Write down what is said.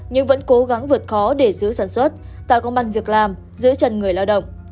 nhưng vẫn cố gắng vượt khó để giữ sản xuất tạo công an việc làm giữ chân người lao động